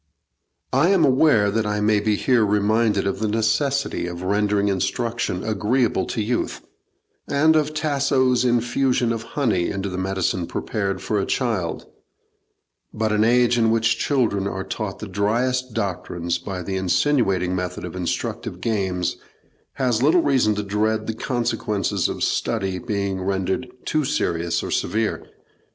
I am aware I may be here reminded of the necessity of rendering instruction agreeable to youth, and of Tasso's infusion of honey into the medicine prepared for a child; but an age in which children are taught the driest doctrines by the insinuating method of instructive games, has little reason to dread the consequences of study being rendered too serious or severe.